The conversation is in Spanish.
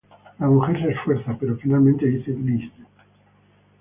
La mujer se esfuerza, pero finalmente dice "Liz".